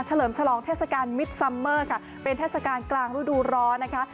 เฉลิมฉลองเทศกาลมิตรซัมเมอร์ค่ะเป็นเทศกาลกลางฤดูร้อนนะคะ